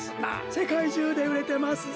せかいじゅうでうれてますぞ。